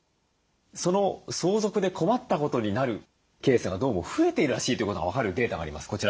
その相続で困ったことになるケースがどうも増えているらしいということが分かるデータがあります。